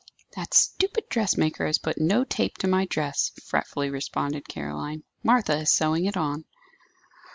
"That stupid dressmaker has put no tape to my dress," fretfully responded Caroline. "Martha is sewing it on."